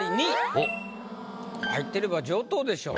ここ入ってれば上等でしょう。